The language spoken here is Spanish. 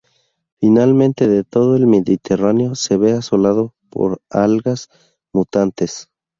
Finalmente, todo el Mediterráneo se ve asolado por las algas mutantes.